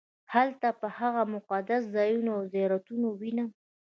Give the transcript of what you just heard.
هلته به هغه مقدس ځایونه او زیارتونه ووېنم.